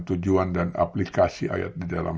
tujuan dan aplikasi ayat di dalam